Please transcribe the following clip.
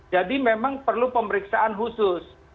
jadi memang perlu pemeriksaan khusus